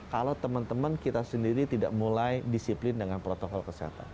kalau teman teman kita sendiri tidak mulai disiplin dengan protokol kesehatan